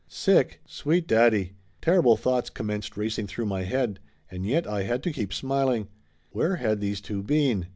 Sick? Sweet daddy! Terrible thoughts commenced Laughter Limited 233 racing through my head, and yet I had to keep smiling! Where had these two been?